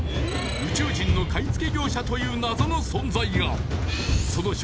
宇宙人の買い付け業者という謎の存在が！